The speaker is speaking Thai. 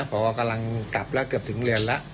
พอกำลังกลับแล้วเกือบถึงเรือนแล้ว